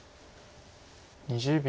２０秒。